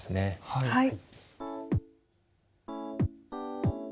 はい。